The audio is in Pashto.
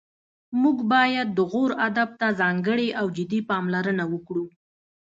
موږ باید د غور ادب ته ځانګړې او جدي پاملرنه وکړو